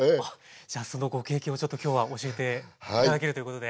じゃそのご経験をちょっと今日は教えて頂けるということで。